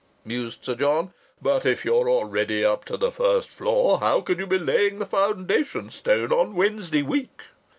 mused Sir John. "But if you're already up to the first floor, how can you be laying the foundation stone on Wednesday week?"